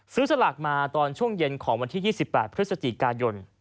สลากมาตอนช่วงเย็นของวันที่๒๘พฤศจิกายน